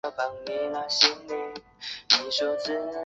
它们包含巴尔的摩分类系统里的第六组。